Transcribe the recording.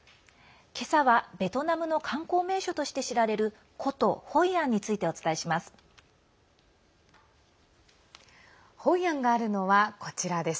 今朝は、ベトナムの観光名所として知られる古都ホイアンについてお伝えします。